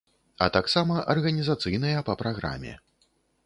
А таксама арганізацыйныя па праграме.